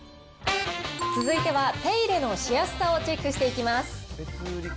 続いては手入れのしやすさをチェックしていきます。